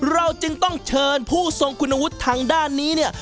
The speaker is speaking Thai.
เราจึงต้องเชิญผู้ทรงคุณวุฒิทางด้านนี้เนี่ย